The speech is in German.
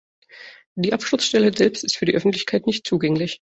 Die Absturzstelle selbst ist für die Öffentlichkeit nicht zugänglich.